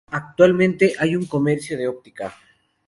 Actualmente hay un comercio de óptica.